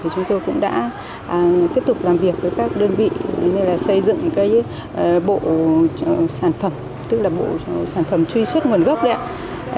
chúng tôi cũng đã tiếp tục làm việc với các đơn vị xây dựng cái bộ sản phẩm tức là bộ sản phẩm truy xuất nguồn gốc đấy ạ